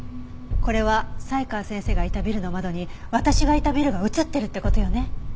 これは才川先生がいたビルの窓に私がいたビルが映ってるって事よね。